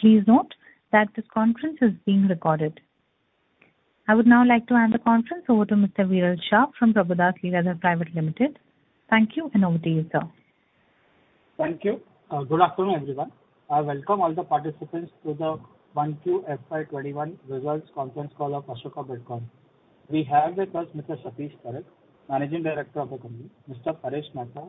Please note that this conference is being recorded. I would now like to hand the conference over to Mr. Viral Shah from Prabhudas Lilladher Private Limited. Thank you, and over to you, sir. Thank you. Good afternoon, everyone. I welcome all the participants to the 1Q FY21 results conference call of Ashoka Buildcon. We have with us Mr. Satish Parakh, Managing Director of the company, Mr. Paresh Mehta,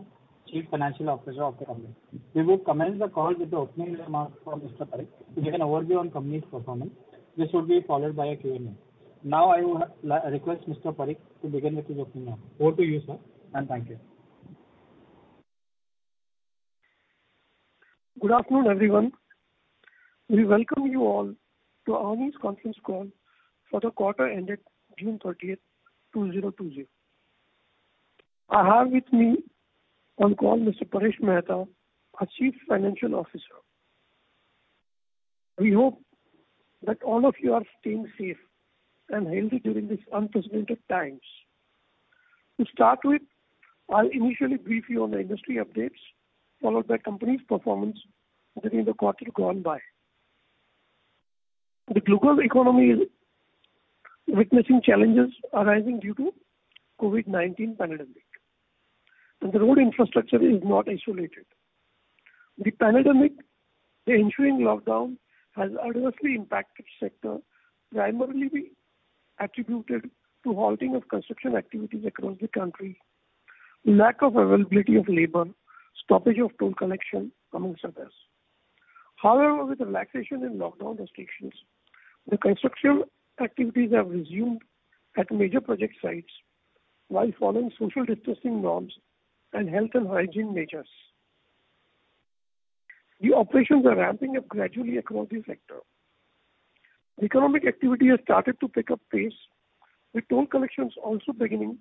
Chief Financial Officer of the company. We will commence the call with the opening remarks from Mr. Parakh to give an overview on company's performance. This will be followed by a Q&A. Now, I would request Mr. Parakh to begin with his opening now. Over to you, sir, and thank you. Good afternoon, everyone. We welcome you all to our earnings conference call for the quarter ended June 30, 2020. I have with me on call Mr. Paresh Mehta, our Chief Financial Officer. We hope that all of you are staying safe and healthy during these unprecedented times. To start with, I'll initially brief you on the industry updates, followed by company's performance during the quarter gone by. The global economy is witnessing challenges arising due to COVID-19 pandemic, and the road infrastructure is not isolated. The pandemic, the ensuing lockdown, has adversely impacted sector, primarily be attributed to halting of construction activities across the country, lack of availability of labor, stoppage of toll collection, among others. However, with the relaxation in lockdown restrictions, the construction activities have resumed at major project sites while following social distancing norms and health and hygiene measures. The operations are ramping up gradually across the sector. Economic activity has started to pick up pace, with toll collections also beginning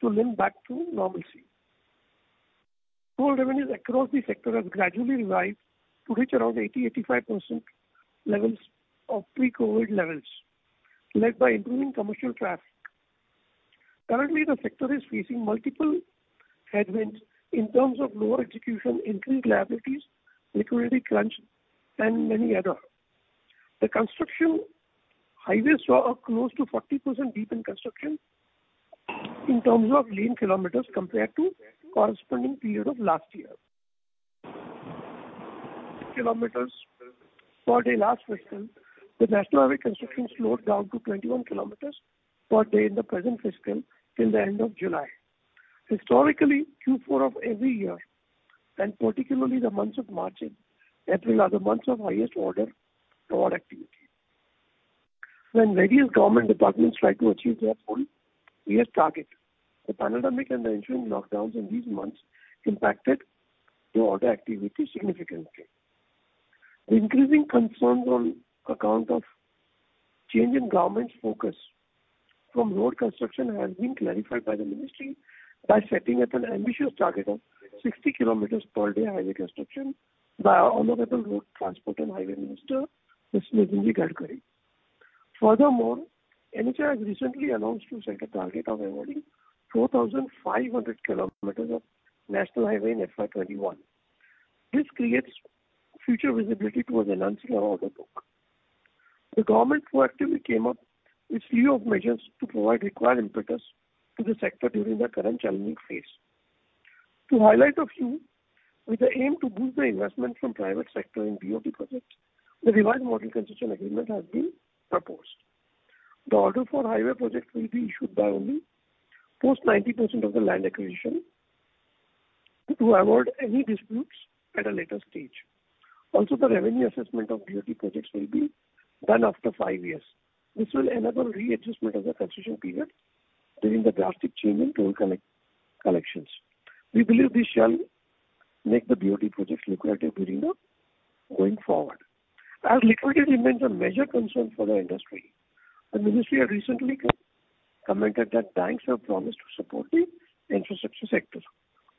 to limp back to normalcy. Toll revenues across the sector have gradually revived to reach around 80%-85% levels of pre-COVID levels, led by improving commercial traffic. Currently, the sector is facing multiple headwinds in terms of lower execution, increased liabilities, liquidity crunch, and many other. The construction highways saw a close to 40% dip in construction in terms of lane km compared to corresponding period of last year. Km per day last fiscal, the national highway construction slowed down to 21 km per day in the present fiscal till the end of July. Historically, Q4 of every year, and particularly the months of March and April, are the months of highest order for activity. When various government departments try to achieve their full year's target, the pandemic and the ensuing lockdowns in these months impacted the order activity significantly. The increasing concerns on account of change in government's focus from road construction has been clarified by the ministry by setting up an ambitious target of 60 km per day highway construction by honorable Road Transport and Highways Minister, Mr. Nitin Gadkari. Furthermore, NHAI has recently announced to set a target of awarding 4,500 km of national highway in FY21. This creates future visibility towards enhancing our order book. The government proactively came up with a series of measures to provide required impetus to the sector during the current challenging phase. To highlight a few, with the aim to boost the investment from private sector in BOT projects, the revised model concession agreement has been proposed. The order for highway projects will be issued only post 90% of the land acquisition to avoid any disputes at a later stage. Also, the revenue assessment of BOT projects will be done after five years. This will enable readjustment of the concession period during the drastic change in toll collections. We believe this shall make the BOT projects lucrative during the... going forward. As liquidity remains a major concern for the industry, the ministry has recently commented that banks have promised to support the infrastructure sector.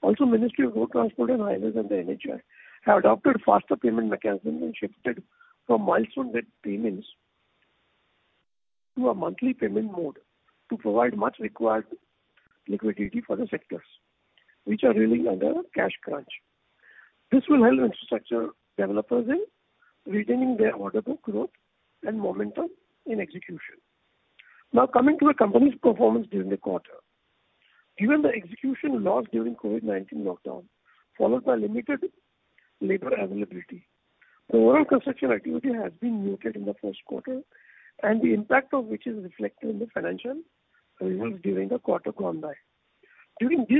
Also, Ministry of Road Transport and Highways and the NHAI have adopted faster payment mechanisms and shifted from milestone-based payments to a monthly payment mode to provide much required liquidity for the sectors, which are really under a cash crunch. This will help infrastructure developers in retaining their order book growth and momentum in execution. Now, coming to the company's performance during the quarter. Given the execution loss during COVID-19 lockdown, followed by limited labor availability, the overall construction activity has been muted in the first quarter, and the impact of which is reflected in the financial results during the quarter gone by. During these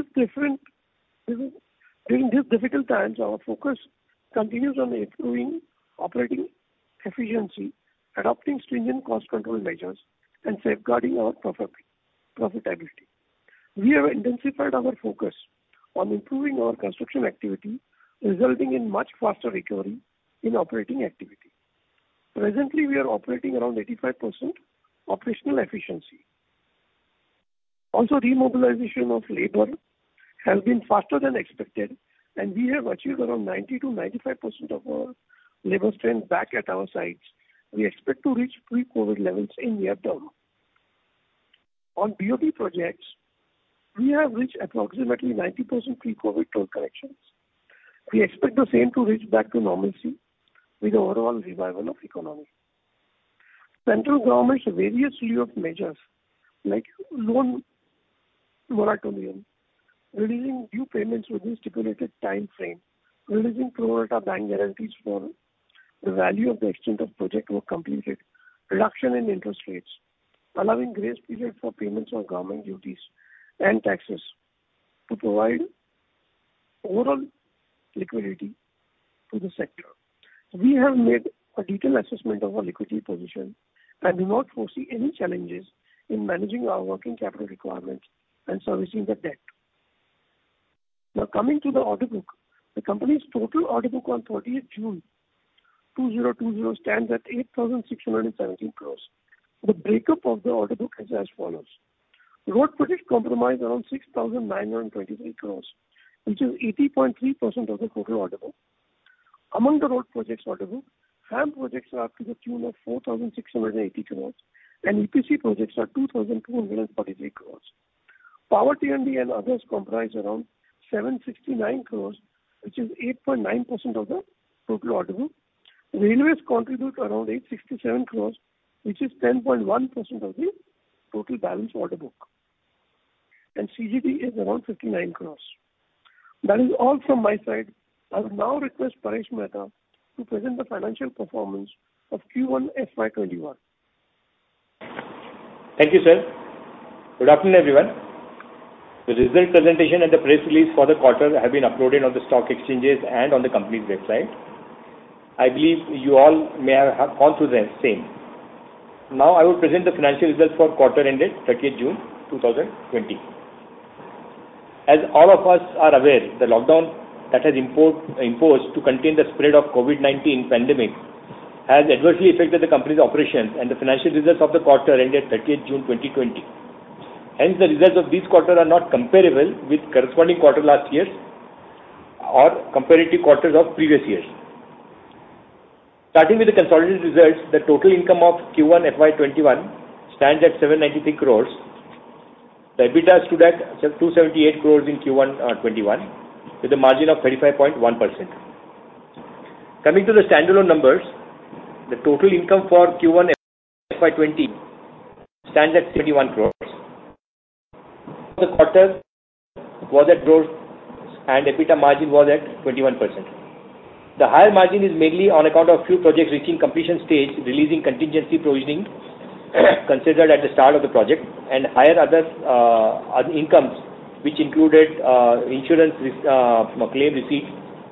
difficult times, our focus continues on improving operating efficiency, adopting stringent cost control measures, and safeguarding our profit, profitability. We have intensified our focus on improving our construction activity, resulting in much faster recovery in operating activity. Presently, we are operating around 85% operational efficiency. Also, remobilization of labor has been faster than expected, and we have achieved around 90%-95% of our labor strength back at our sites. We expect to reach pre-COVID levels in near term. On BOT projects, we have reached approximately 90% pre-COVID toll collections. We expect the same to reach back to normalcy with the overall revival of economy. Central government's various relief measures, like loan moratorium, releasing due payments within stipulated timeframe, releasing promoter bank guarantees for the value of the extent of project work completed, reduction in interest rates, allowing grace period for payments on government duties and taxes to provide overall liquidity to the sector. We have made a detailed assessment of our liquidity position and do not foresee any challenges in managing our working capital requirements and servicing the debt. Now, coming to the order book, the company's total order book on June 30, 2020 stands at 8,617 crores. The breakup of the order book is as follows: Road projects comprise around 6,923 crores, which is 80.3% of the total order book. Among the road projects order book, HAM projects are up to the tune of 4,680 crores, and EPC projects are 2,243 crores. Power, T&D, and others comprise around 769 crores, which is 8.9% of the total order book. Railways contribute around 867 crores, which is 10.1% of the total balance order book. CGD is around 59 crores. That is all from my side. I will now request Paresh Mehta to present the financial performance of Q1 FY21. Thank you, sir. Good afternoon, everyone. The result presentation and the press release for the quarter have been uploaded on the stock exchanges and on the company's website. I believe you all may have gone through the same. Now, I will present the financial results for quarter ended 30th June 2020. As all of us are aware, the lockdown that has imposed to contain the spread of COVID-19 pandemic has adversely affected the company's operations and the financial results of the quarter ended 30th June 2020. Hence, the results of this quarter are not comparable with corresponding quarter last year's or comparative quarters of previous years. Starting with the consolidated results, the total income of Q1 FY21 stands at 793 crores. The EBITDA stood at 278 crores in Q1 '21, with a margin of 35.1%. Coming to the standalone numbers, the total income for Q1 FY 20 stands at 31 crore. The quarter was at growth, and EBITDA margin was at 21%. The higher margin is mainly on account of few projects reaching completion stage, releasing contingency provisioning considered at the start of the project, and higher other incomes, which included insurance claim receipt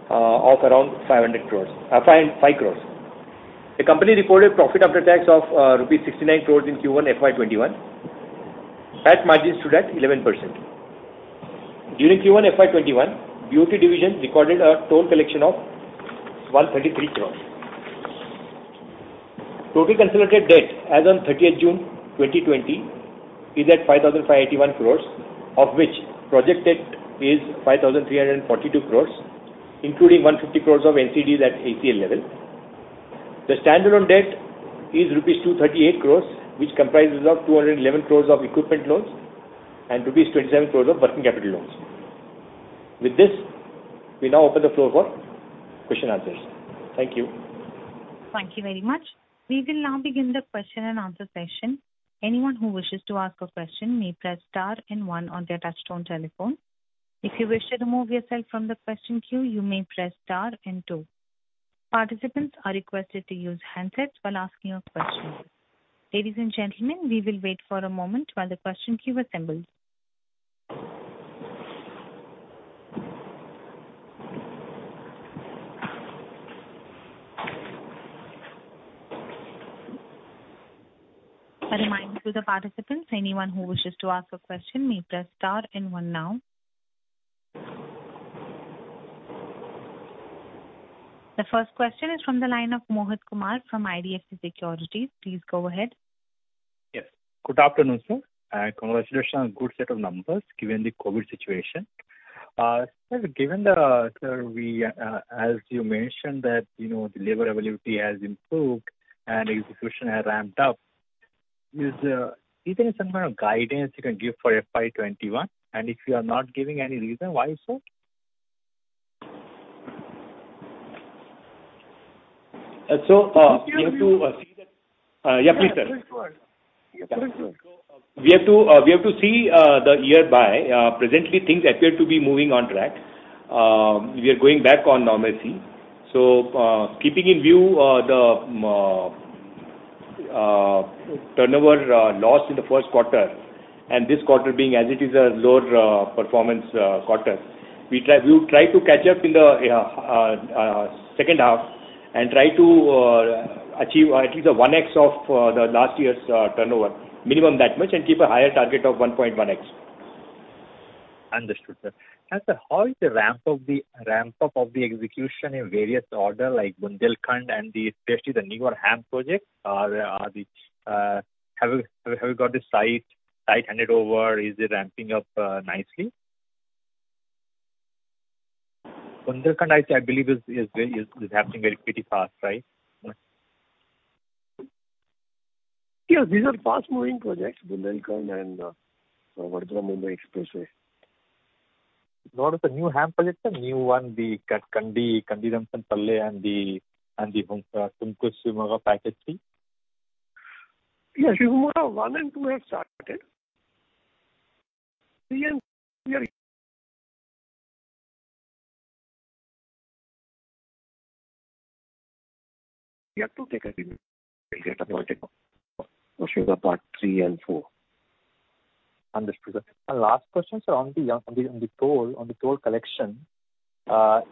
of around 500 crore, 55 crore. The company reported profit after tax of rupee 69 crore rupees in Q1 FY21. Tax margin stood at 11%. During Q1 FY21, BOT division recorded a toll collection of 133 crore. Total consolidated debt as on 30th June 2020 is at 5,581 crore, of which project debt is 5,342 crore, including 150 crore of NCDs at ACL level. The standalone debt is rupees 238 crore, which comprises of 211 crore of equipment loans and rupees 27 crore of working capital loans. With this, we now open the floor for question and answers. Thank you. Thank you very much. We will now begin the question and answer session. Anyone who wishes to ask a question may press star and one on their touchtone telephone. If you wish to remove yourself from the question queue, you may press star and two. Participants are requested to use handsets while asking a question. Ladies and gentlemen, we will wait for a moment while the question queue assembles. A reminder to the participants, anyone who wishes to ask a question may press star and one now. The first question is from the line of Mohit Kumar from IDFC Securities. Please go ahead. Yes. Good afternoon, sir, and congratulations on good set of numbers, given the COVID situation. Sir, given the, sir, we, as you mentioned, that, you know, the labor availability has improved and execution has ramped up, is there some kind of guidance you can give for FY21? And if you are not giving any reason, why is so? So, we have to see that, yeah, please, sir. Yeah, please go ahead. Yeah, please go. We have to see the year by. Presently things appear to be moving on track. We are going back on normalcy. So, keeping in view the turnover lost in the first quarter, and this quarter being as it is a lower performance quarter, we try, we will try to catch up in the second half and try to achieve at least a 1x of the last year's turnover. Minimum that much, and keep a higher target of 1.1x. Understood, sir. And sir, how is the ramp up of the execution in various order, like Bundelkhand and especially the newer HAM projects? Have you got the site handed over? Is it ramping up nicely? Bundelkhand, I believe is happening very pretty fast, right? Yeah, these are fast moving projects, Bundelkhand and Vadodara Mumbai Expressway. What are the new HAM projects, the new one, the Kandi-Ramsanpalle and the Tumkur-Shivamogga package 3? Yes, Shivamogga 1 and 2 have started. We have to take a review. Okay, about three and four. Understood, sir. And last question, sir, on the toll collection,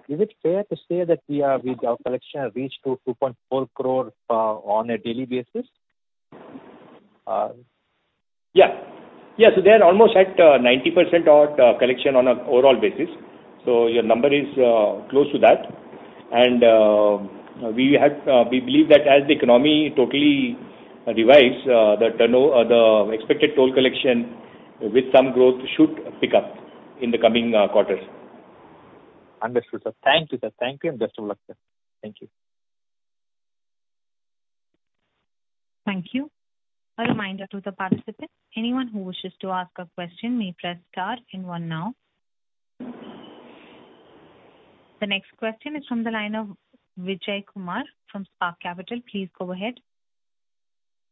is it fair to say that our collection has reached to 2.4 crore on a daily basis? Yeah. Yeah, so they are almost at 90% of collection on an overall basis. So your number is close to that. And we had, we believe that as the economy totally revives, the turnover the expected toll collection with some growth should pick up in the coming quarters. Understood, sir. Thank you, sir. Thank you, and best of luck, sir. Thank you. Thank you. A reminder to the participants, anyone who wishes to ask a question may press star and one now. The next question is from the line of Vijay Kumar from Spark Capital. Please go ahead.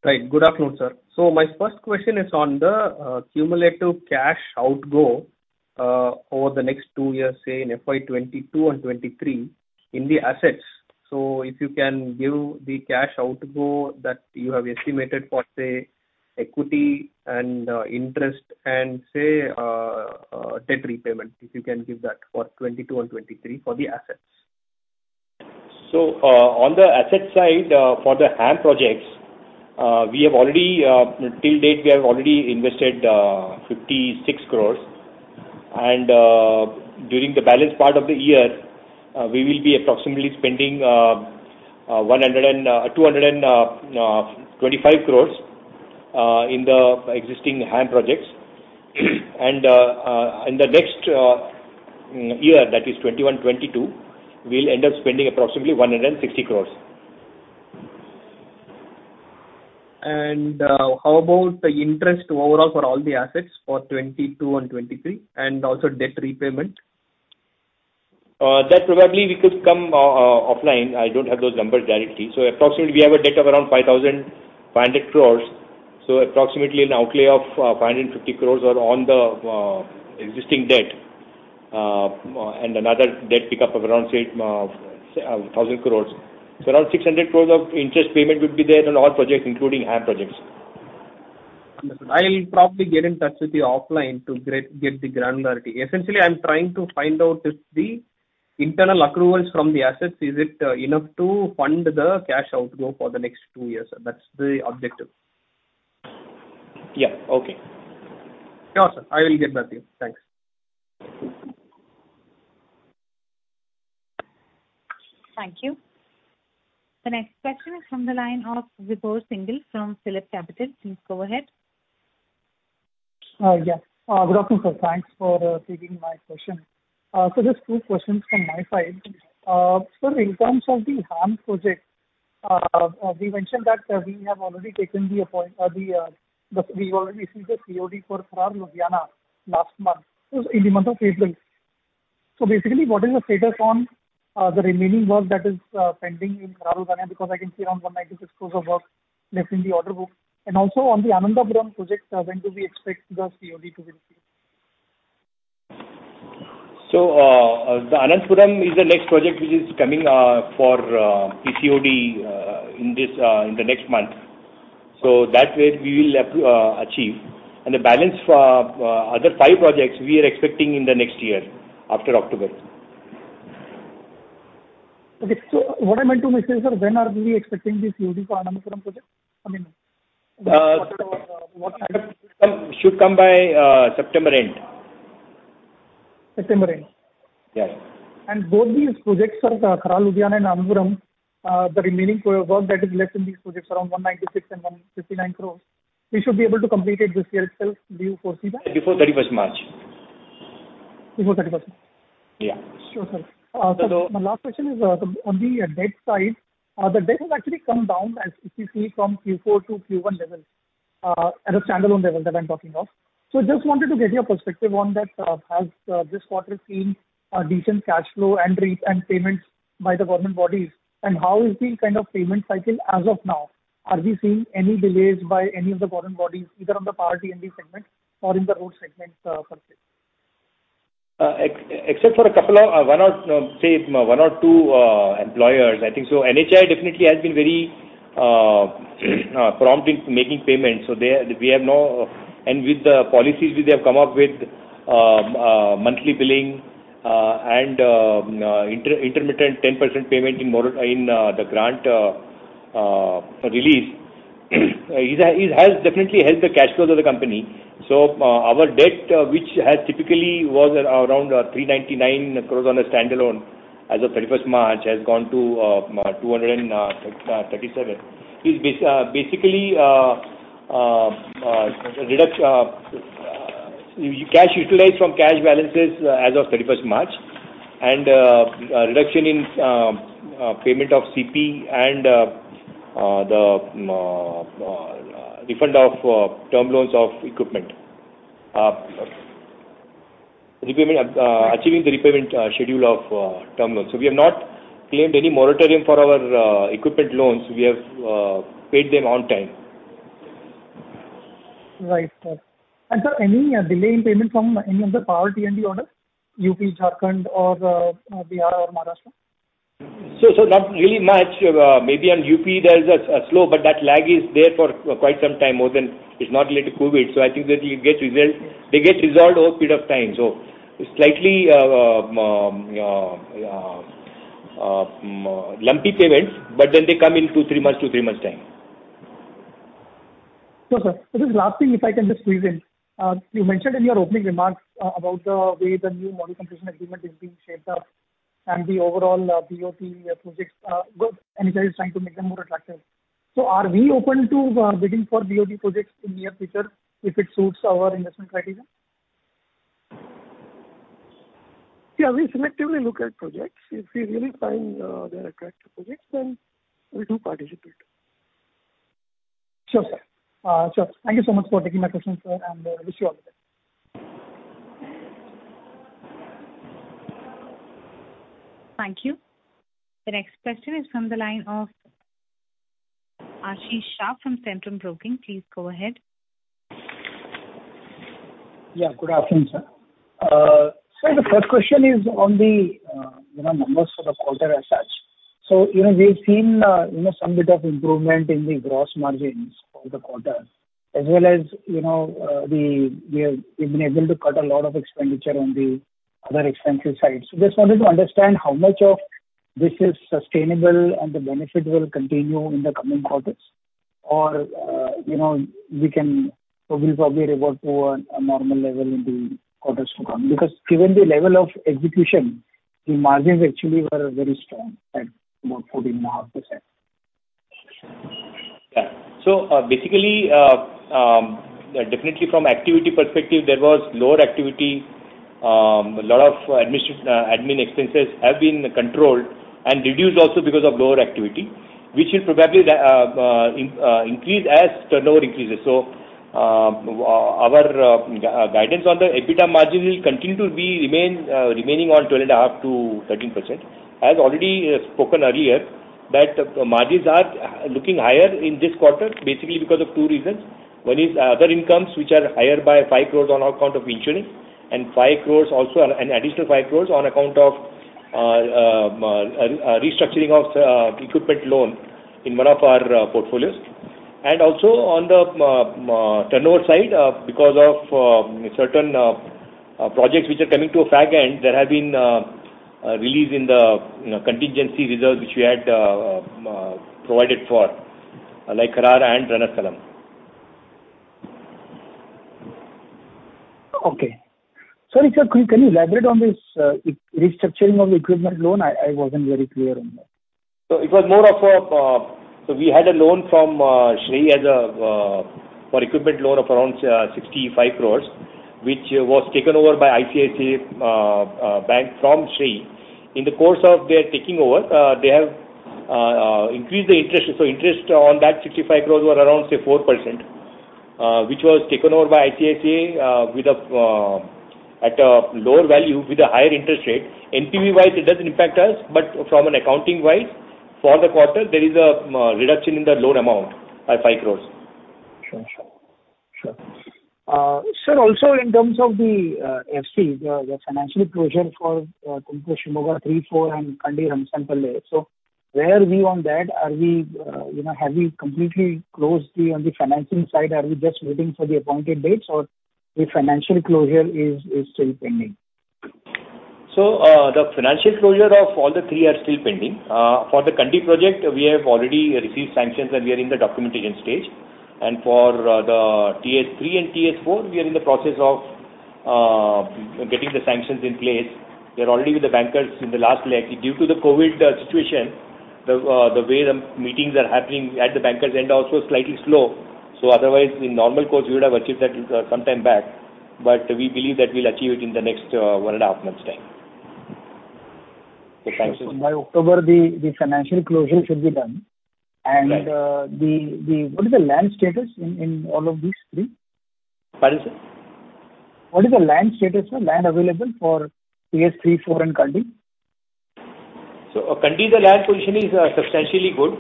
Right. Good afternoon, sir. So my first question is on the cumulative cash outgo over the next two years, say, in FY 2022 and 2023, in the assets. So if you can give the cash outgo that you have estimated for, say, equity and interest, and say debt repayment, if you can give that for 2022 and 2023 for the assets. So, on the asset side, for the HAM projects, we have already, till date, we have already invested 56 crores. During the balance part of the year, we will be approximately spending 125 crores in the existing HAM projects. In the next year, that is 2021-2022, we'll end up spending approximately 160 crores. How about the interest overall for all the assets for 2022 and 2023, and also debt repayment? That probably we could come offline. I don't have those numbers directly. So approximately, we have a debt of around 5,500 crore. So approximately an outlay of 550 crore are on the existing debt, and another debt pick up of around, say, 1,000 crore. So around 600 crore of interest payment would be there on all projects, including HAM projects. Understood. I'll probably get in touch with you offline to get the granularity. Essentially, I'm trying to find out if the internal accruals from the assets is enough to fund the cash outgo for the next two years? That's the objective. Yeah. Okay. Sure, sir. I will get back to you. Thanks. Thank you. The next question is from the line of Vibhor Singhal from PhillipCapital. Please go ahead. Yeah. Good afternoon, sir. Thanks for taking my question. So just two questions from my side. Sir, in terms of the HAM project, we mentioned that we've already received the COD for Kharar-Ludhiana last month, so in the month of April. So basically, what is the status on the remaining work that is pending in Kharar-Ludhiana? Because I can see around 196 crore of work left in the order book. And also, on the Anandapuram project, when do we expect the COD to be received? So, the Anandapuram is the next project which is coming for PCOD in this in the next month. So that way we will achieve. And the balance other five projects, we are expecting in the next year, after October. Okay. So what I meant to mention, sir, when are we expecting the COD for Anandapuram project? I mean, what- Should come by September end. September end? Yes. Both these projects, sir, Kharar-Ludhiana and Anandapuram, the remaining work that is left in these projects, around 196 crore and 159 crore, we should be able to complete it this year itself, do you foresee that? Before 31st March. Before 31st? Yeah. Sure, sir. So my last question is on the debt side, the debt has actually come down, as we see from Q4 to Q1 level, at a standalone level that I'm talking of. So just wanted to get your perspective on that. Has this quarter seen a decent cash flow and repayments by the government bodies? And how is the kind of payment cycle as of now? Are we seeing any delays by any of the government bodies, either on the power T&D segment or in the road segment, for this? Except for a couple of, one or, say one or two, employers, I think so NHAI definitely has been very, prompt in making payments, so they- we have no... With the policies which they have come up with, monthly billing, and, intermittent 10% payment in more, in, the grant, release, is, has definitely helped the cash flows of the company. So, our debt, which has typically was around, 399 crore on a standalone, as of 31st March, has gone to, INR 237. It's basically, reduced... cash utilized from cash balances as of 31st March, and, reduction in, payment of CP and, the, refund of term loans of equipment. Repayment, achieving the repayment schedule of term loans. So we have not claimed any moratorium for our equipment loans. We have paid them on time. Right, sir. And sir, any delay in payment from any of the power T&D orders, UP, Jharkhand, or Bihar, or Maharashtra? So not really much. Maybe on UP there is a slow, but that lag is there for quite some time, more than... It's not related to COVID. So I think that you get result- they get resolved over a period of time. So slightly, lumpy payments, but then they come in 2-3 months to 3 months' time. Sure, sir. So just last thing, if I can just squeeze in. You mentioned in your opening remarks about the way the new model completion agreement is being shaped up and the overall BOT projects, well, NHAI is trying to make them more attractive. So are we open to bidding for BOT projects in near future if it suits our investment criteria? Yeah, we selectively look at projects. If we really find they are attractive projects, then we do participate. Sure, sir. Sure. Thank you so much for taking my questions, sir, and wish you all the best. Thank you. The next question is from the line of Ashish Shah from Centrum Broking. Please go ahead. Yeah, good afternoon, sir. So the first question is on the, you know, numbers for the quarter as such. So, you know, we've seen, you know, some bit of improvement in the gross margins for the quarter, as well as, you know, we, we have, we've been able to cut a lot of expenditure on the other expensive sides. Just wanted to understand how much of this is sustainable and the benefit will continue in the coming quarters? Or, you know, we can, we'll probably revert to a normal level in the quarters to come. Because given the level of execution, the margins actually were very strong at about 14.5%. Yeah. So, basically, definitely from activity perspective, there was lower activity. A lot of admin expenses have been controlled and reduced also because of lower activity, which will probably increase as turnover increases. So, our guidance on the EBITDA margin will continue to be remain, remaining on 12.5%-13%. As already spoken earlier, that margins are looking higher in this quarter, basically because of two reasons. One is other incomes, which are higher by 5 crore on account of insurance, and 5 crore also, an additional 5 crore on account of restructuring of equipment loan in one of our portfolios. Also on the turnover side, because of certain projects which are coming to an end, there have been a release in the, you know, contingency reserves, which we had provided for, like Kharar and Ranastalam. Okay. Sorry, sir, can you elaborate on this, restructuring of equipment loan? I, I wasn't very clear on that. So we had a loan from SREI for equipment loan of around 65 crore, which was taken over by ICICI Bank from SREI. In the course of their taking over, they have increased the interest. So interest on that 65 crore were around, say, 4%, which was taken over by ICICI with a lower value with a higher interest rate. NPV wise, it doesn't impact us, but from an accounting wise, for the quarter, there is a reduction in the loan amount by 5 crore. Sure, sure. Sure. Sir, also in terms of the FC, the financial closure for Tumkur 3, 4, and Kandi Ramsanpalle. So where are we on that? Are we, you know, have we completely closed the, on the financing side, are we just waiting for the appointed dates, or the financial closure is still pending? So, the financial closure of all the three are still pending. For the Kandi project, we have already received sanctions, and we are in the documentation stage. For the TS3 and TS4, we are in the process of getting the sanctions in place. We are already with the bankers in the last leg. Due to the COVID situation, the way the meetings are happening at the bankers end also slightly slow. So otherwise, in normal course, we would have achieved that sometime back, but we believe that we'll achieve it in the next one and a half months' time. By October, the financial closure should be done. Right. What is the land status in all of these three? Pardon, sir? What is the land status, sir? Land available for TS3, 4, and Kandi. So Kandi, the land position is substantially good.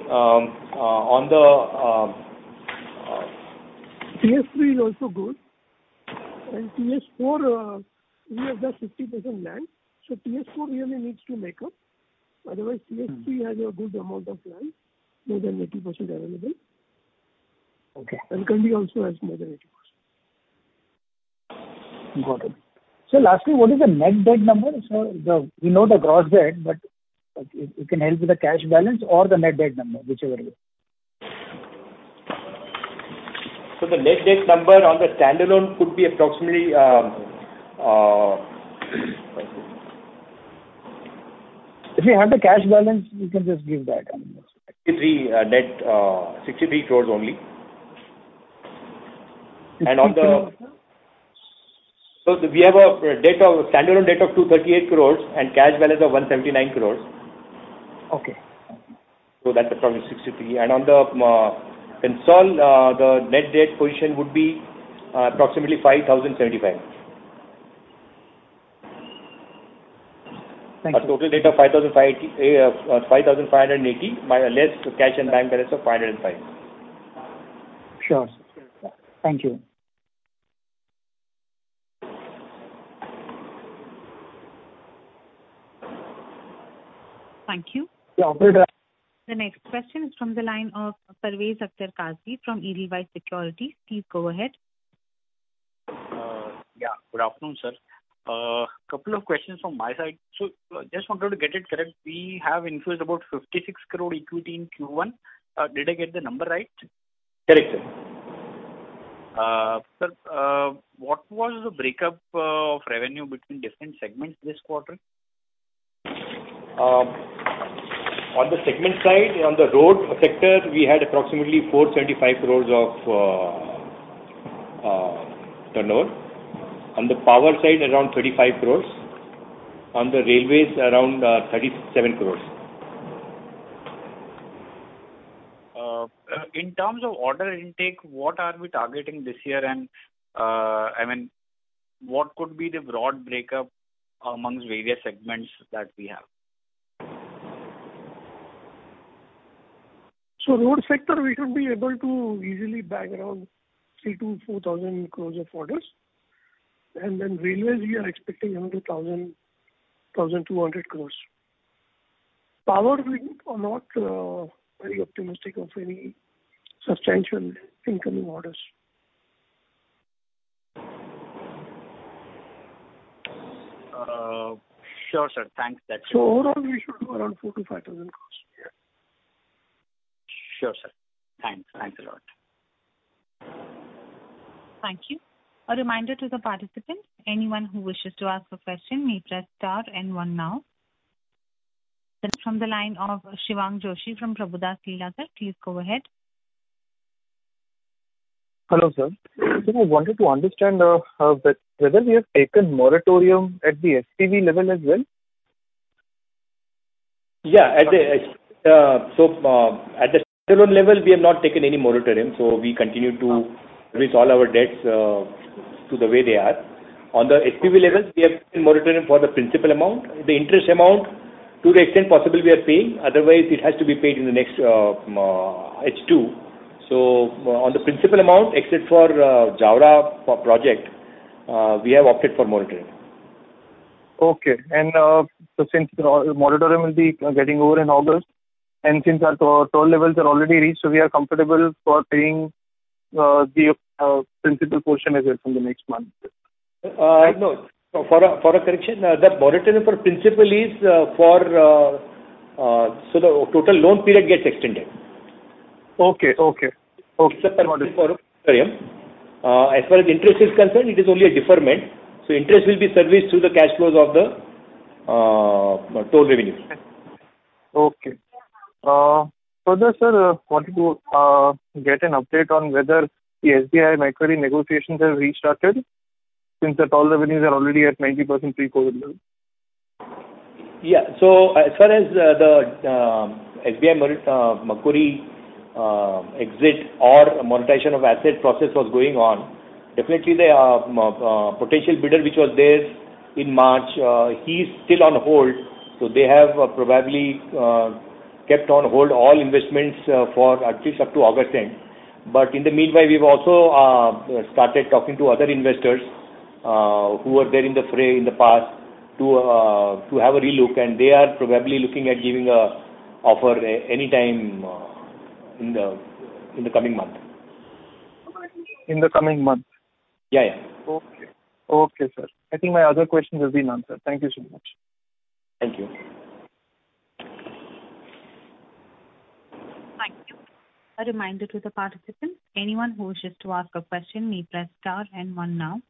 TS3 is also good, and TS4, we have just 60% land, so TS4 really needs to make up. Otherwise, TS3 has a good amount of land, more than 80% available. Okay. Kandi also has more than 80%. Got it. So lastly, what is the net debt number, sir? We know the gross debt, but if you can help with the cash balance or the net debt number, whichever it is. The net debt number on the standalone could be approximately.... If you have the cash balance, you can just give that, I mean. INR 63, net 63 crore only. And on the- 63 crore, sir? So we have a debt of standalone debt of 238 crore and cash balance of 179 crore. Okay. So that's approximately 63. And on the consolidated, the net debt position would be approximately 5,075. Thank you. A total debt of 5,580 less cash and bank balance of INR 505. Sure, sir. Thank you. Thank you. Yeah, good a- The next question is from the line of Parvez Akhtar Qazi from Edelweiss Securities. Please go ahead. Yeah, good afternoon, sir. Couple of questions from my side. Just wanted to get it correct, we have infused about 56 crore equity in Q1. Did I get the number right? Correct, sir. Sir, what was the break-up of revenue between different segments this quarter? On the segment side, on the road sector, we had approximately 475 crore of turnover. On the power side, around 35 crore. On the railways, around 37 crore. In terms of order intake, what are we targeting this year? I mean, what could be the broad breakup amongst various segments that we have? Road sector, we should be able to easily bag around 3,000 crore-4,000 crore of orders. Then railways, we are expecting around 1,000-1,200 crore. Power, we are not very optimistic of any substantial incoming orders. Sure, sir. Thanks, that's- Overall, we should do around 4,000 crore-5,000 crore. Sure, sir. Thanks. Thanks a lot. Thank you. A reminder to the participants, anyone who wishes to ask a question may press star and one now. The next from the line of Shivang Joshi from Prabhudas Lilladher. Please go ahead. Hello, sir. Sir, I wanted to understand whether you have taken moratorium at the SPV level as well? Yeah, so at the standalone level, we have not taken any moratorium, so we continue to- Okay. Raise all our debts to the way they are. On the SPV level, we have taken moratorium for the principal amount. The interest amount, to the extent possible, we are paying. Otherwise, it has to be paid in the next H2. So on the principal amount, except for Jaora project, we have opted for moratorium. Okay. And, so since the moratorium will be getting over in August, and since our toll levels are already reached, so we are comfortable for paying, the principal portion as well from the next month? No. For a correction, that moratorium for principal is for so the total loan period gets extended. Okay. Okay. Okay.... As far as interest is concerned, it is only a deferment. So interest will be serviced through the cash flows of the toll revenues. Okay. Further, sir, wanted to get an update on whether the SBI Macquarie negotiations have restarted since the toll revenues are already at 90% pre-COVID level. Yeah. So as far as the SBI Macquarie exit or monetization of asset process was going on, definitely the potential bidder, which was there in March, he's still on hold. So they have probably kept on hold all investments for at least up to August end. But in the meanwhile, we've also started talking to other investors who were there in the fray in the past to have a relook, and they are probably looking at giving an offer anytime in the coming month. In the coming month? Yeah, yeah. Okay. Okay, sir. I think my other questions have been answered. Thank you so much. Thank you. Thank you. A reminder to the participants, anyone who wishes to ask a question, may press star and one now.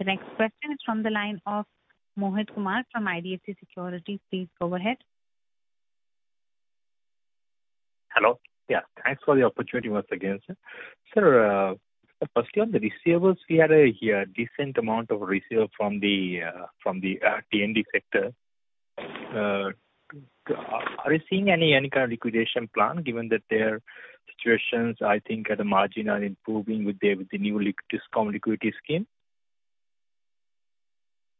The next question is from the line of Mohit Kumar from IDFC Securities. Please go ahead. Hello. Yeah, thanks for the opportunity once again, sir. Sir, firstly, on the receivables, we had a decent amount of receivable from the T&D sector. Are you seeing any kind of liquidation plan, given that their situations, I think, at the margin, are improving with the new liquidity discount scheme?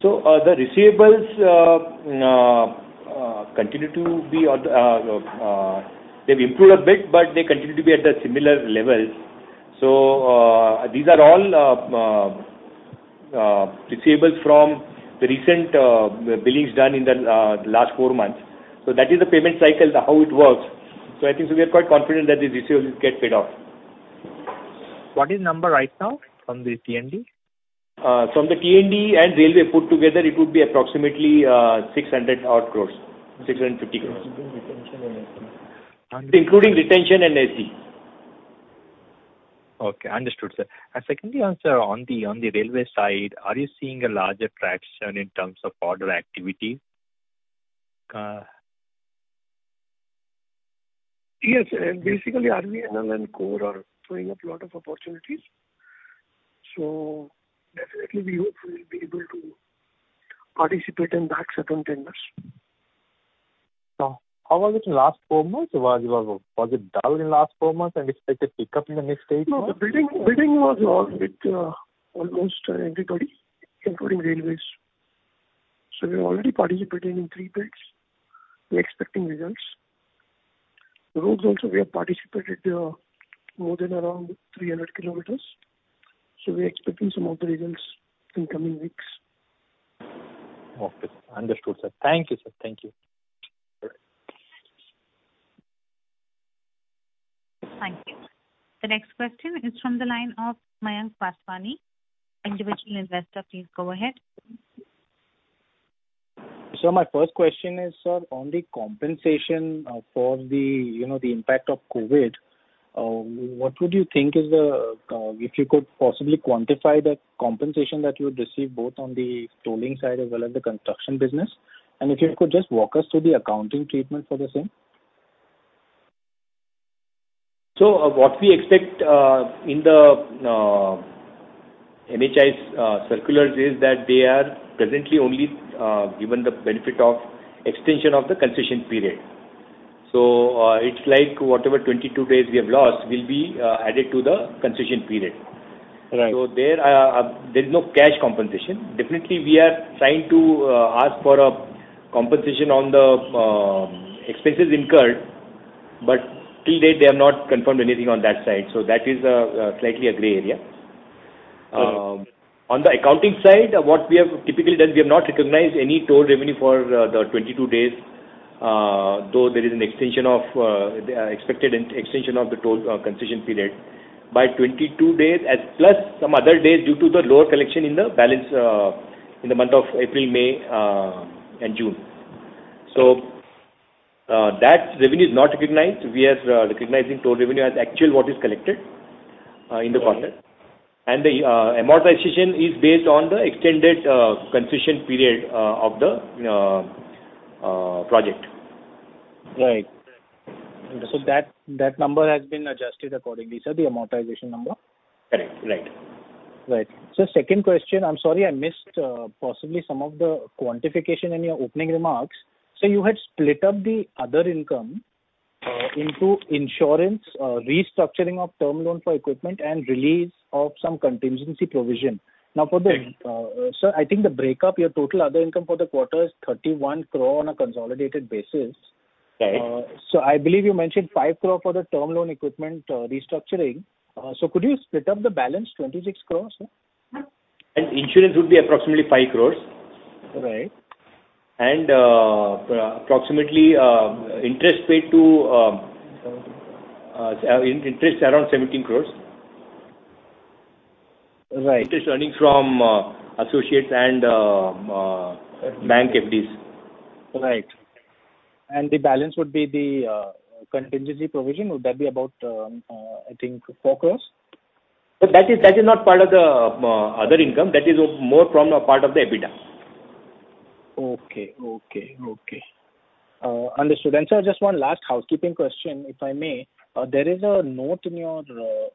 So, the receivables continue to be... They've improved a bit, but they continue to be at the similar levels. So, these are all receivables from the recent billings done in the last four months. So that is the payment cycle, how it works. So I think we are quite confident that the receivables get paid off. What is the number right now from the T&D? From the T&D and railway put together, it would be approximately 600-odd crore, 650 crore. Including retention and SE.... Okay, understood, sir. And secondly, also, on the, on the railway side, are you seeing a larger traction in terms of order activity? Yes, and basically, RVNL and CORE are throwing up a lot of opportunities. So definitely, we hope we'll be able to participate in that certain tenders. How was it in last four months? Was it dull in last four months, and you expect a pickup in the next eight months? No, the bidding was all with almost everybody, including railways. So we are already participating in three bids. We're expecting results. Roads also, we have participated more than around 300 km, so we're expecting some of the results in coming weeks. Okay. Understood, sir. Thank you, sir. Thank you. Thank you. The next question is from the line of Mayank Vaswani, individual investor. Please go ahead. Sir, my first question is, sir, on the compensation, for the, you know, the impact of COVID, what would you think is the, if you could possibly quantify the compensation that you would receive, both on the tolling side as well as the construction business? If you could just walk us through the accounting treatment for the same. So, what we expect in the NHAI's circulars is that they are presently only given the benefit of extension of the concession period. So, it's like whatever 22 days we have lost will be added to the concession period. Right. So, there, there's no cash compensation. Definitely, we are trying to ask for a compensation on the expenses incurred, but till date, they have not confirmed anything on that side, so that is slightly a gray area. Right. On the accounting side, what we have typically done, we have not recognized any toll revenue for the 22 days, though there is an extension of the expected extension of the toll concession period by 22 days, as plus some other days due to the lower collection in the balance in the month of April, May, and June. So, that revenue is not recognized. We are recognizing toll revenue as actual what is collected in the quarter. Right. The amortization is based on the extended concession period of the project. Right. Understood. So that number has been adjusted accordingly, sir, the amortization number? Correct. Right. Right. So second question, I'm sorry I missed, possibly some of the quantification in your opening remarks. So you had split up the other income, into insurance, restructuring of term loan for equipment and release of some contingency provision. Right. Now, sir, I think the breakup, your total other income for the quarter is 31 crore on a consolidated basis. Right. So, I believe you mentioned 5 crore for the term loan equipment restructuring. So could you split up the balance 26 crore, sir? Insurance would be approximately 5 crore. Right. Approximately, interest paid to interest around 17 crore. Right. Interest earning from associates and bank FDs. Right. And the balance would be the contingency provision. Would that be about, I think INR 4 crore? So, that is not part of the other income. That is more from a part of the EBITDA. Okay. Okay, okay. Understood. Then, sir, just one last housekeeping question, if I may. There is a note in your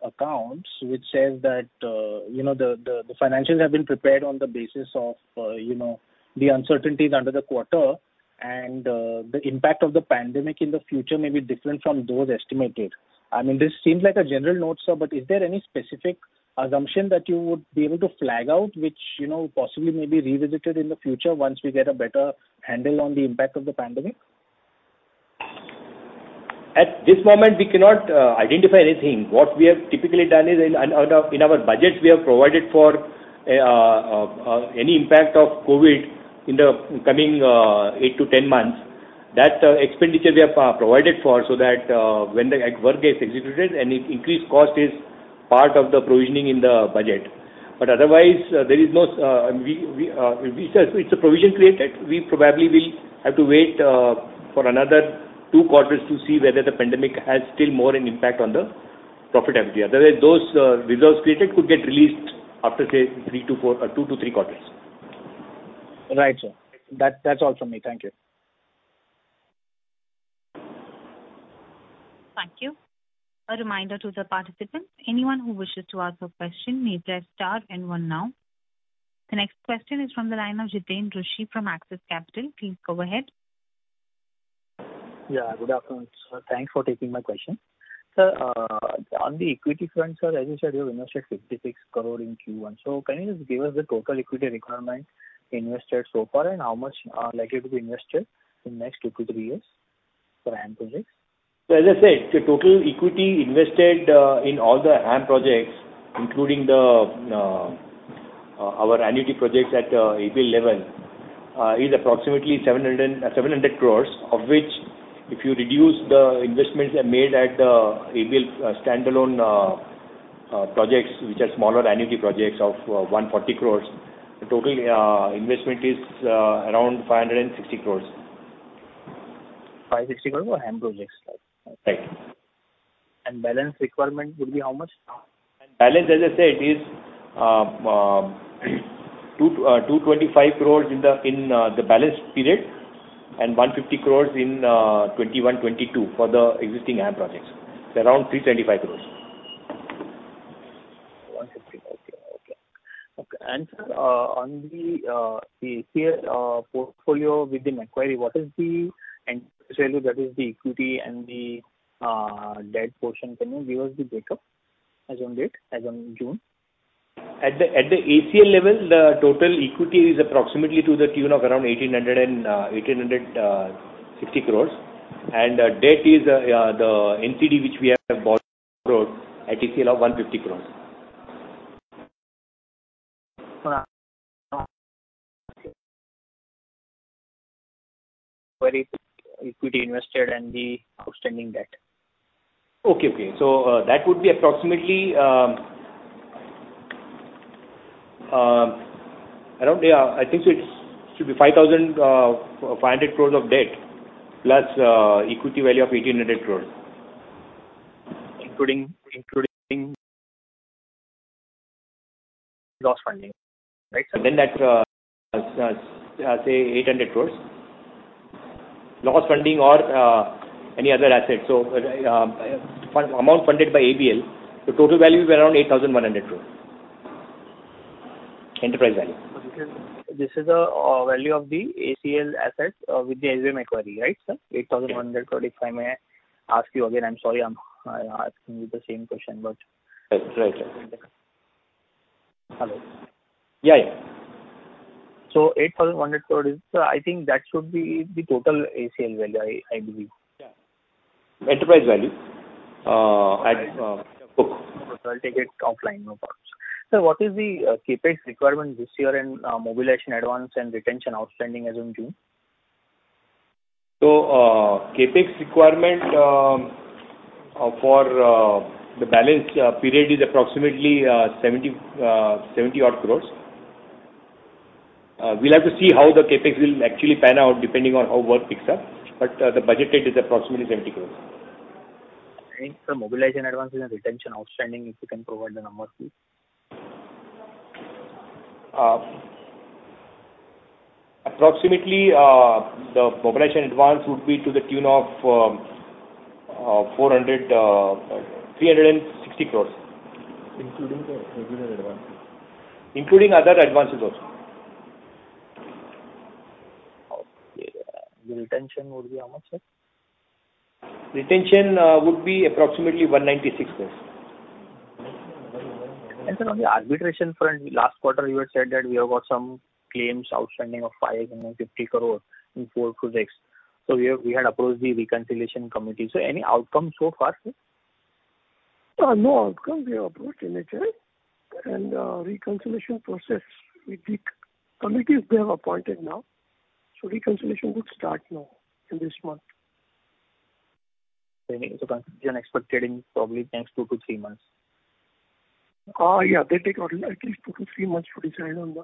accounts which says that, you know, the financials have been prepared on the basis of, you know, the uncertainties under the quarter, and the impact of the pandemic in the future may be different from those estimated. I mean, this seems like a general note, sir, but is there any specific assumption that you would be able to flag out, which, you know, possibly may be revisited in the future once we get a better handle on the impact of the pandemic? At this moment, we cannot identify anything. What we have typically done is in our budgets, we have provided for any impact of COVID in the coming 8-10 months. That expenditure we have provided for, so that when the work is executed, any increased cost is part of the provisioning in the budget. But otherwise, there is no, we say it's a provision created. We probably will have to wait for another two quarters to see whether the pandemic has still more an impact on the profitability. Otherwise, those reserves created could get released after, say, three to four, two to three quarters. Right, sir. That's all from me. Thank you. Thank you. A reminder to the participants, anyone who wishes to ask a question may press star and one now. The next question is from the line of Jiten Rushi from Axis Capital. Please go ahead. Yeah, good afternoon, sir. Thanks for taking my question. Sir, on the equity front, sir, as you said, you have invested 56 crore in Q1. So can you just give us the total equity requirement invested so far, and how much are likely to be invested in next 2-3 years for HAM projects? So as I said, the total equity invested in all the HAM projects, including our annuity projects at SPV level, is approximately 707 crores, of which, if you reduce the investments made at the SPV standalone projects, which are smaller annuity projects of 140 crores, the total investment is around 560 crores. ...INR 560 crore for HAM projects, right? And balance requirement will be how much? Balance, as I said, is 225 crores in the balance period, and 150 crores in 2021-2022 for the existing AM projects. So around 325 crores. 150, okay, okay. Okay, and on the ACL portfolio with the Macquarie, what is the end value that is the equity and the debt portion? Can you give us the breakup as on date, as on June? At the ACL level, the total equity is approximately to the tune of around 1,860 crore. And debt is the NCD, which we have borrowed at a scale of 150 crore. Okay. Net equity invested and the outstanding debt. Okay, okay. So, that would be approximately around, yeah, I think so it's should be 5,500 crore of debt, plus equity value of 1,800 crore. Including loss funding, right, sir? Then that, say 800 crore. Loss funding or any other assets. So, amount funded by ABL, the total value will be around 8,100 crore rupees. Enterprise value. Okay. This is the value of the ACL assets with the Macquarie, right, sir? 8,100 crore, if I may ask you again, I'm sorry, I'm asking you the same question, but- Right. Right, sir. Hello? Yeah, yeah. 8,100 crore, so I think that should be the total ACL value, I, I believe. Yeah. Enterprise value, I... Total ticket offline, no problems. Sir, what is the CapEx requirement this year in mobilization advance and retention outstanding as in June? So, CapEx requirement for the balance period is approximately 70 crore. We'll have to see how the CapEx will actually pan out, depending on how work picks up. But, the budget date is approximately 70 crore. Sir, mobilization advance and retention outstanding, if you can provide the numbers, please? Approximately, the mobilization advance would be to the tune of 360 crores. Including the mobilization advance. Including other advances also. Okay. The retention would be how much, sir? Retention would be approximately 196 crores. Then on the arbitration front, last quarter you had said that we have got some claims outstanding of 5 crore and 50 crore in four projects. So we had approached the reconciliation committee. So any outcome so far, sir? No outcome. We have approached NHAI, and reconciliation process with the committees they have appointed now. So reconciliation would start now, in this month. You are expecting probably next two to three months? Yeah, they take at least two to three months to decide on the...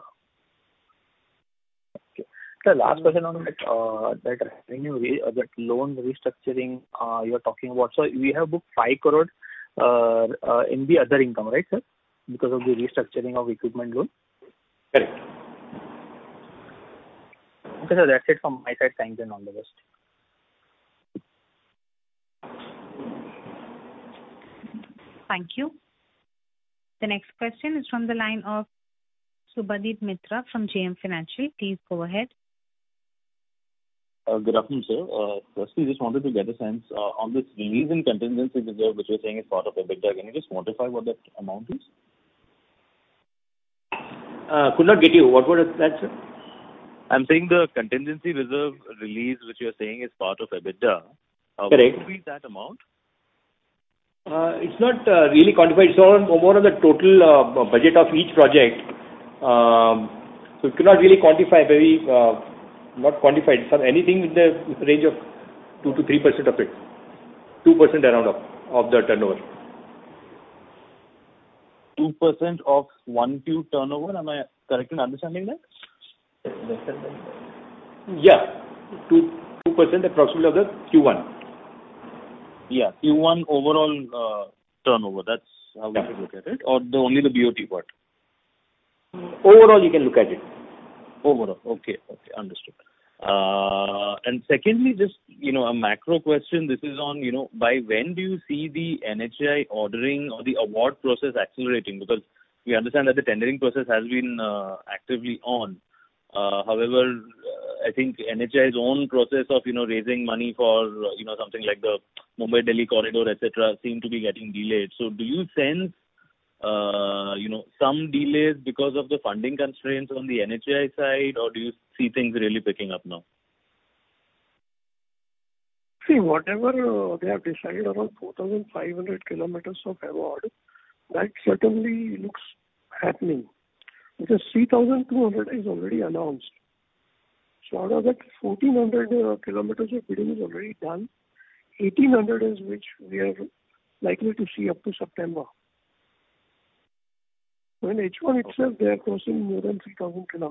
Okay. Sir, last question on that, that revenue, that loan restructuring, you're talking about. So we have booked 5 crore in the other income, right, sir? Because of the restructuring of equipment loan. Correct. Okay, sir. That's it from my side. Thank you and all the best. Thank you. The next question is from the line of Subhadip Mitra from JM Financial. Please go ahead. Good afternoon, sir. Firstly, just wanted to get a sense on this release in contingency reserve, which you're saying is part of EBITDA. Can you just quantify what that amount is? Could not get you. What was that, sir? I'm saying the contingency reserve release, which you're saying is part of EBITDA- Correct. What would be that amount? It's not really quantified. It's all more of the total budget of each project. So it could not really quantify very not quantified. So anything in the range of 2%-3% of it. 2% around of the turnover. 2% of 1.2 turnover, am I correct in understanding that? Yeah. 2.2% approximately of the Q1. Yeah. Q1 overall, turnover, that's how we should look at it, or only the BOT part? Overall, you can look at it. Overall. Okay. Okay, understood. And secondly, just, you know, a macro question. This is on, you know, by when do you see the NHAI ordering or the award process accelerating? Because we understand that the tendering process has been actively on. However, I think NHAI's own process of, you know, raising money for, you know, something like the Mumbai-Delhi corridor, et cetera, seem to be getting delayed. So do you sense, you know, some delays because of the funding constraints on the NHAI side, or do you see things really picking up now? See, whatever, they have decided around 4,500 km of award, that certainly looks happening, because 3,200 is already announced. So out of that, 1,400 km of bidding is already done. 1,800 is which we are likely to see up to September.... Well, in H1 itself, they are crossing more than 3,000 km.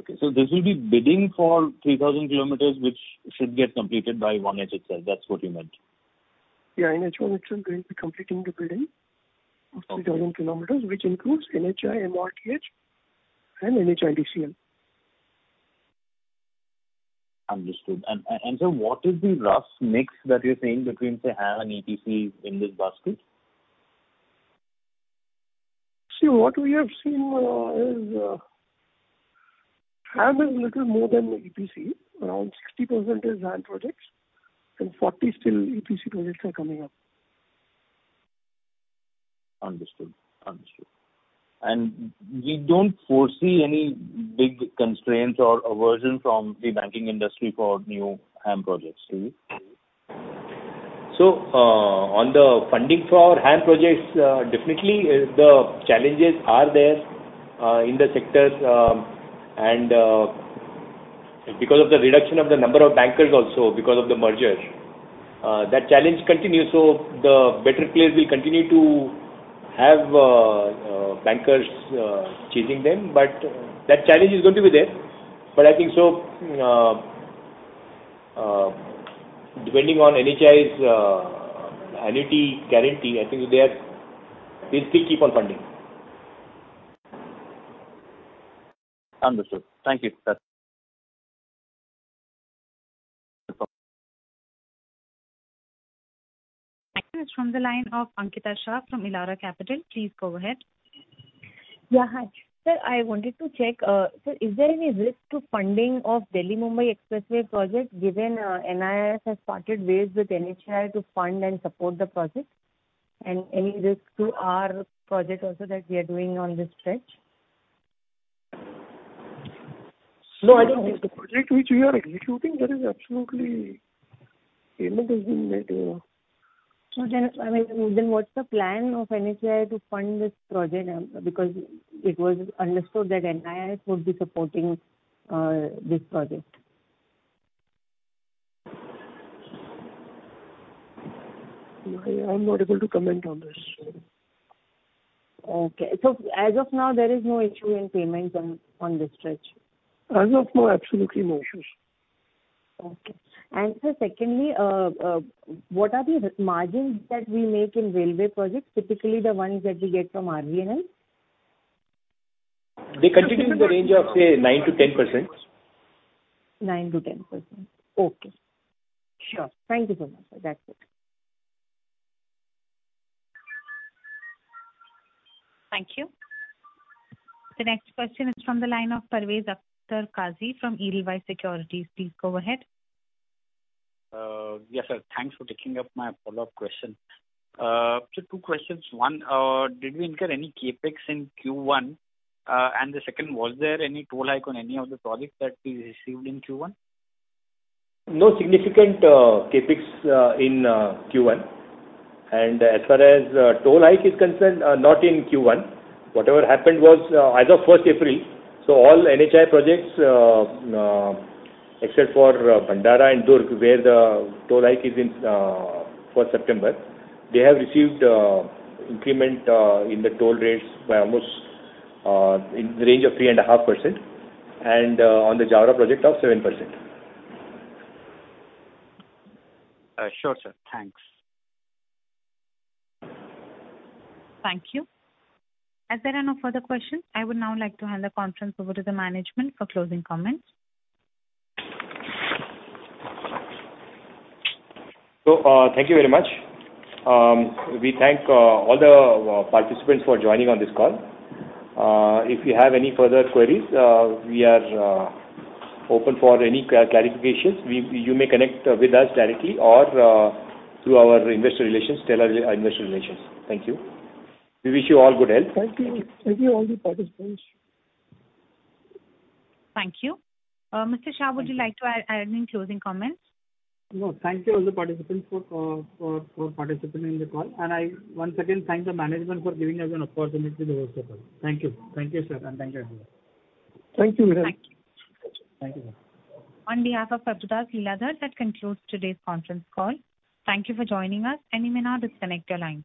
Okay, so this will be bidding for 3,000 km, which should get completed by 1H itself. That's what you meant? Yeah, in H1 itself, we're going to be completing the bidding- Okay. -of 3,000 km, which includes NHAI, MoRTH, and NHIDCL. Understood. And, sir, what is the rough mix that you're saying between, say, HAM and EPC in this basket? See, what we have seen is HAM is little more than EPC. Around 60% is HAM projects and 40 still EPC projects are coming up. Understood. Understood. And you don't foresee any big constraints or aversion from the banking industry for new HAM projects, do you? So, on the funding for our HAM projects, definitely the challenges are there, in the sectors. Because of the reduction of the number of bankers also, because of the merger, that challenge continues. So the better players will continue to have bankers choosing them, but that challenge is going to be there. But I think so, depending on NHAI's annuity guarantee, I think they are, they still keep on funding. Understood. Thank you. That's- Next is from the line of Ankita Shah from Elara Capital. Please go ahead. Yeah, hi. Sir, I wanted to check, sir, is there any risk to funding of Delhi-Mumbai Expressway project, given, NIIF has parted ways with NHAI to fund and support the project? And any risk to our project also that we are doing on this stretch? No, I don't think. The project which we are executing, there is absolutely payment has been made. I mean, then what's the plan of NHAI to fund this project? Because it was understood that NIIF would be supporting this project. I'm not able to comment on this. Okay. As of now, there is no issue in payments on this stretch? As of now, absolutely no issues. Okay. Sir, secondly, what are the margins that we make in railway projects, typically the ones that we get from RVNL? They continue in the range of, say, 9%-10%. 9%-10%. Okay. Sure. Thank you so much, sir. That's it. Thank you. The next question is from the line of Parvez Qazi from Edelweiss Securities. Please go ahead. Yes, sir. Thanks for taking up my follow-up question. So two questions. One, did we incur any CapEx in Q1? And the second, was there any toll hike on any of the projects that we received in Q1? No significant CapEx in Q1. And as far as toll hike is concerned, not in Q1. Whatever happened was as of first April, so all NHAI projects except for Bhandara and Durg, where the toll hike is in first September, they have received increment in the toll rates by almost in the range of 3.5%, and on the Jaora project of 7%. Sure, sir. Thanks. Thank you. As there are no further questions, I would now like to hand the conference over to the management for closing comments. So, thank you very much. We thank all the participants for joining on this call. If you have any further queries, we are open for any clarifications. You may connect with us directly or through our investor relations, Stellar, our investor relations. Thank you. We wish you all good health. Thank you. Thank you all the participants. Thank you. Mr. Shah, would you like to add any closing comments? No. Thank you all the participants for participating in the call. I once again thank the management for giving us an opportunity to host the call. Thank you. Thank you, sir, and thank you everyone. Thank you. Thank you. Thank you. On behalf of Ashoka Buildcon, that concludes today's conference call. Thank you for joining us, and you may now disconnect your lines.